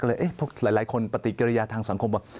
พวกหลายคนปฏิกิริยาทางสังคมว่า